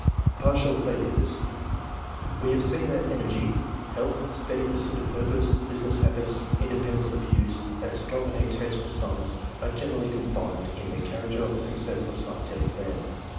Partial Failures. — ^We have seen that energy, health, steady pursuit of purpose, business habits, independence of views, and a strong innate taste : for science, are generally combined in the cha j racter of a successful scientific man.